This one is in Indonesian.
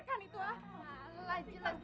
kamu harus kuat mas